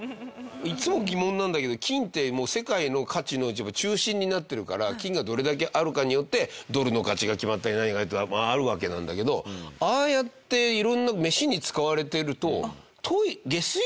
いつも疑問なんだけど金ってもう世界の価値の中心になってるから金がどれだけあるかによってドルの価値が決まったり何かってあるわけなんだけどああやって色んな。